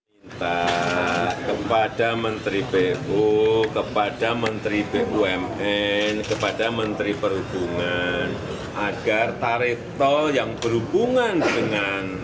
minta kepada menteri pu kepada menteri bumn kepada menteri perhubungan agar tarif tol yang berhubungan dengan